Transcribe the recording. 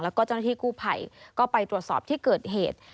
แล้วก็เจ้าหน้าที่กู้ภัยก็ไปตรวจสอบที่เกิดเหตุ